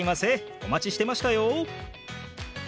お待ちしてましたよ。